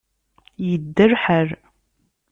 Yedda lḥal.